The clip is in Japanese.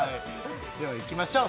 ではいきましょう